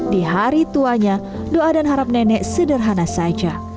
di hari tuanya doa dan harap nenek sederhana saja